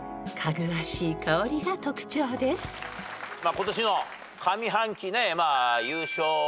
今年の上半期ね優勝戦線